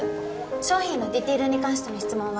商品のディテールに関しての質問は